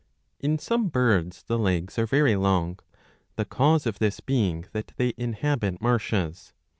^ In some birds the legs are very long, the cause of this being that they inhabit marshes.